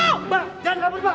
jangan kabur mbak